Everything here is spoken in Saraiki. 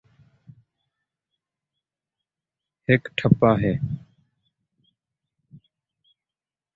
ہکو ٹھپہ ہے